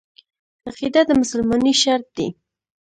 عقیده د مسلمانۍ شرط دی.